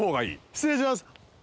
失礼します。